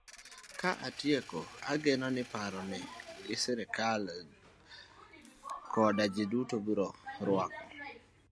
Ka atieko, ageno ni paro ni sirkal koda ji duto e oganda biro rwako.